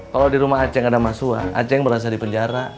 kalau di rumah aceng ada ma suha aceng berasa di penjara